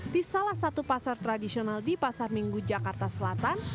di salah satu pasar tradisional di pasar minggu jakarta selatan